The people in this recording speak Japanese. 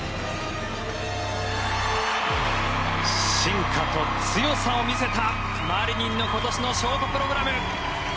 進化と強さを見せたマリニンの今年のショートプログラム。